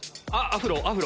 アフロ？